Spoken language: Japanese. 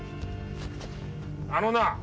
あのな！